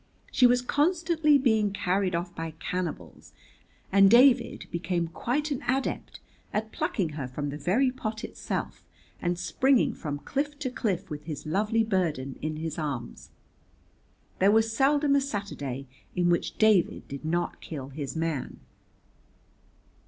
She was constantly being carried off by cannibals, and David became quite an adept at plucking her from the very pot itself and springing from cliff to cliff with his lovely burden in his arms. There was seldom a Saturday in which David did not kill his man.